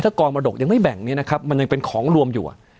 กองมรดกยังไม่แบ่งเนี่ยนะครับมันยังเป็นของรวมอยู่